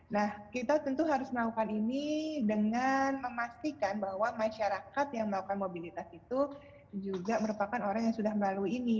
nah kita tentu harus melakukan ini dengan memastikan bahwa masyarakat yang melakukan mobilitas itu juga merupakan orang yang sudah melalui ini